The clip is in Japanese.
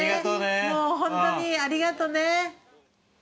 もう本当にありがとうね。